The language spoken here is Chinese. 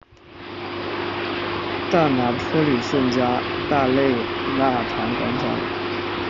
大拿坡里圣加大肋纳堂广场。